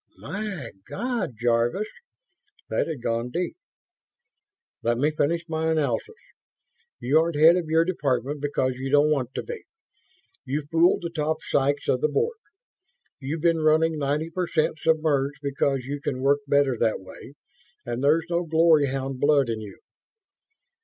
"My God, Jarvis!" That had gone deep. "Let me finish my analysis. You aren't head of your department because you don't want to be. You fooled the top psychs of the Board. You've been running ninety per cent submerged because you can work better that way and there's no glory hound blood in you."